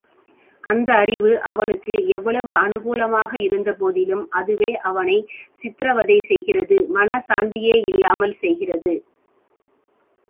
அந்த அறிவு அவனுக்கு எவ்வளவு அநுகூலமா யிருந்தபோதிலும், அதுவே அவனைச் சித்திரவதை செய்கிறது மனச்சாந்தியே இல்லாமற் செய்கிறது.